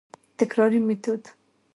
تکراري ميتود: